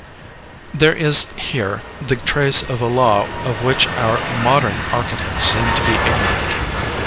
There is here the trace of a law of which our modern architects seem to be ignorant.